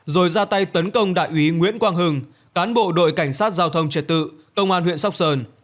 rồi ra tay tấn công đại úy nguyễn quang hưng cán bộ đội cảnh sát giao thông trật tự công an huyện sóc sơn